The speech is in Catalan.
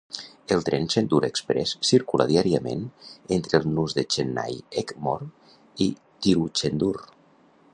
El tren Chendur Express circula diàriament entre el nus de Chennai Egmore i Tiruchendur.